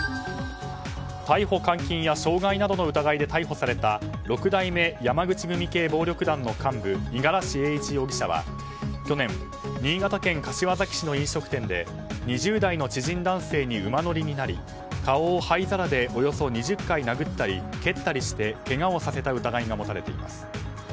逮捕・監禁や傷害などの疑いで逮捕された六代目山口組系暴力団の幹部五十嵐英一容疑者は去年、新潟県柏崎市の飲食店で２０代の知人男性に馬乗りになり顔を灰皿でおよそ２０回殴ったり蹴ったりして、けがをさせた疑いが持たれています。